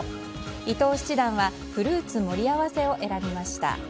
伊藤七段はフルーツ盛り合わせを選びました。